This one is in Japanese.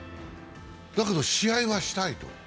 だけど試合はしたいと。